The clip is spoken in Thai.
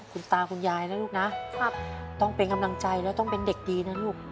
คุณตาคุณยายนะลูกนะต้องเป็นกำลังใจแล้วต้องเป็นเด็กดีนะลูก